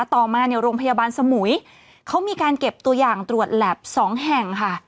ต่อมาเนี่ยโรงพยาบาลสมุยเขามีการเก็บตัวอย่างตรวจแล็บสองแห่งค่ะ